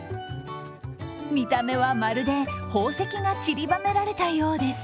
見た目はまるで宝石が散りばめられたようです。